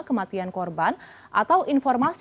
kematian korban atau informasi